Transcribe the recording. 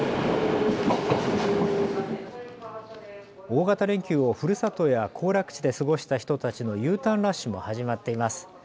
大型連休をふるさとや行楽地で過ごした人たちのＵターンラッシュも始まっています。